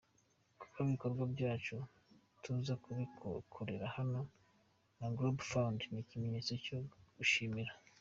Kuba ibikorwa byacu tuza kubikorera hano na Global Fund ni ikimenyetso cyo gushimira.